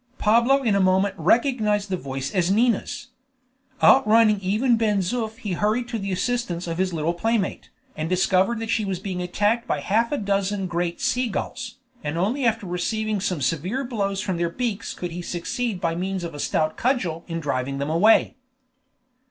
Pablo in a moment recognized the voice as Nina's. Outrunning even Ben Zoof he hurried to the assistance of his little playmate, and discovered that she was being attacked by half a dozen great sea gulls, and only after receiving some severe blows from their beaks could he succeed by means of a stout cudgel in driving them away.